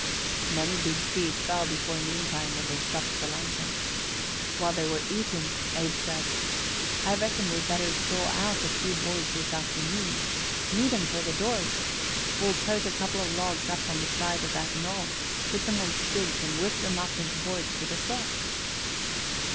Many big trees fell before noontime when they stopped for luncheon. While they were eating Abe said: "I reckon we better saw out a few boards this afternoon. Need 'em for the doors. We'll tote a couple of logs up on the side o' that knoll, put 'em on skids an' whip 'em up into boards with the saw."